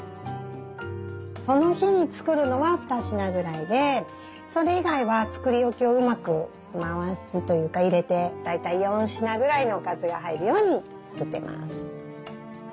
その日に作るのは２品ぐらいでそれ以外は作り置きをうまく回すというか入れて大体４品ぐらいのおかずが入るように作っています。